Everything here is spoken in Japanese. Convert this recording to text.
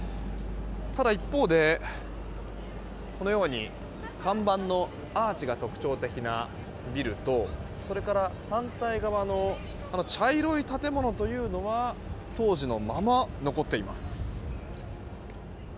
ただ一方で看板のアーチが特徴的なビルとそれから反対側の茶色い建物というのは当時のまま残っています。